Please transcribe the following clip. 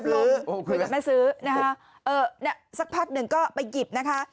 คุณจะไม่ซื้อสักพักหนึ่งก็ไปหยิบ